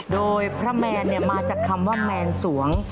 โดยพระแมนมาจากคำว่าแมนสวง